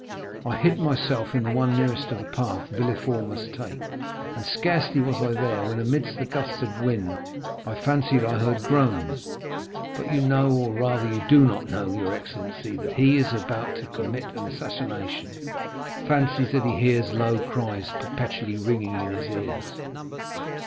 I hid myself in the one nearest to the path Villefort must take, and scarcely was I there when, amidst the gusts of wind, I fancied I heard groans; but you know, or rather you do not know, your excellency, that he who is about to commit an assassination fancies that he hears low cries perpetually ringing in his ears.